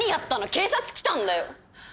警察来たんだよ！？